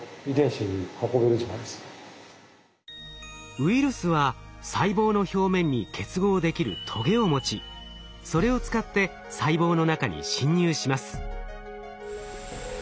ウイルスは細胞の表面に結合できるトゲを持ちそれを使って細胞の中に侵入します。